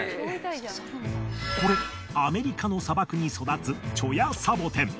これアメリカの砂漠に育つチョヤサボテン。